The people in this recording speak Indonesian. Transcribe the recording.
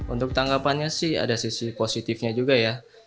untuk tanggapannya sih ada sisi positifnya juga ya